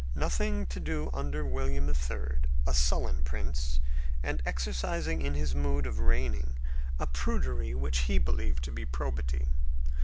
Nothing to do under William III., a sullen prince, and exercising in his mode of reigning a prudery which he believed to be probity.